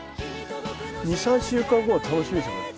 ２３週間後が楽しみですよ